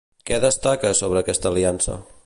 Què destaca sobre aquesta aliança?